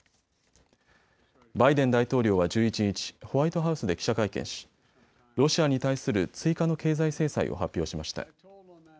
バイデン大統領は１１日、ホワイトハウスで記者会見しロシアに対する追加の経済制裁を発表しました。